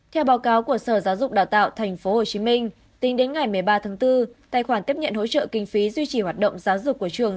theo báo cáo của sở giáo dục đào tạo tp hcm tính đến ngày một mươi ba tháng bốn tài khoản tiếp nhận hỗ trợ kinh phí duy trì hoạt động giáo dục của trường